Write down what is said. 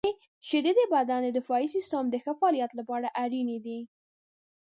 • شیدې د بدن د دفاعي سیستم د ښه فعالیت لپاره اړینې دي.